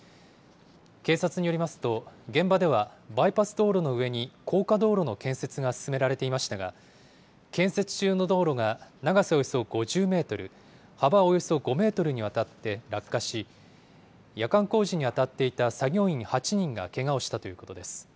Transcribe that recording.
警察によりますと、現場ではバイパス道路の上に高架道路の建設が進められていましたが、建設中の道路が長さおよそ５０メートル、幅およそ５メートルにわたって落下し、夜間工事に当たっていた作業員８人がけがをしたということです。